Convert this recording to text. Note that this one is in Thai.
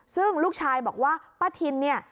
ซึ่งลูกชายบอกว่าป้าทินเนี่ย